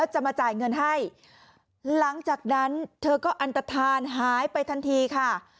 หลังจากนั้นเธอก็อันตฐานหายไปทันทีค่ะ